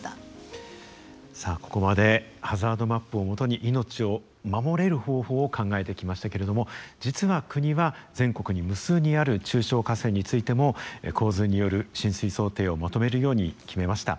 さあここまでハザードマップを基に命を守れる方法を考えてきましたけれども実は国は全国に無数にある中小河川についても洪水による浸水想定をまとめるように決めました。